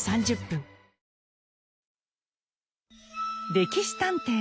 「歴史探偵」